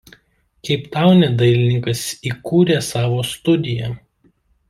Keiptaune dailininkas įkūrė savo studiją.